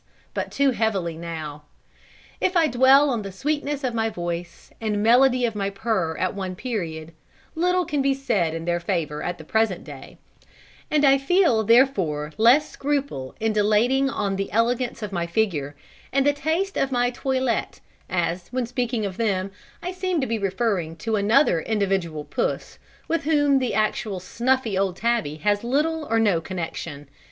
but too heavily now. If I dwell on the sweetness of my voice and melody of my purr at one period, little can be said in their favour at the present day, and I feel therefore less scruple in dilating on the elegance of my figure, and the taste of my toilette, as, when speaking of them, I seem to be referring to another individual Puss, with whom the actual snuffy old Tabby has little or no connection.